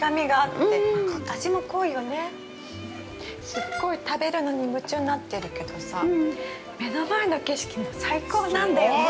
◆すっごい食べるのに夢中になってるけどさ、目の前の景色も最高なんだよね。